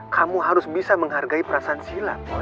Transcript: kamu harus bisa menghargai perasaan sila boy